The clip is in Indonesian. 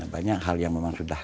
banyak hal yang memang sudah